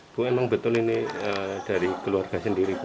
itu emang betul ini dari keluarga sendiri